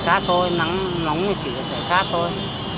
sẽ khát thôi nắng nóng thì chỉ là sẽ khát thôi